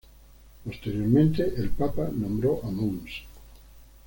Posteriormente, el Papa nombró a mons.